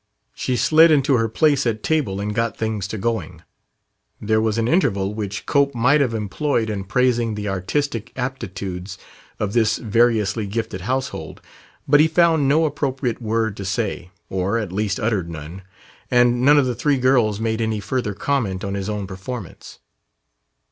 She slid into her place at table and got things to going. There was an interval which Cope might have employed in praising the artistic aptitudes of this variously gifted household, but he found no appropriate word to say, or at least uttered none. And none of the three girls made any further comment on his own performance.